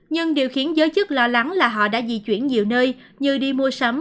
nhưng điều khiến giới chức lo lắng là họ đã di chuyển nhiều nơi như đi mua sắm